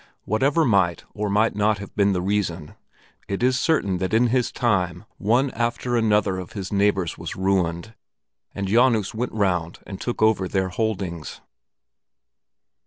Whatever might or might not have been the reason, it is certain that in his time one after another of his neighbors was ruined, and Janus went round and took over their holdings.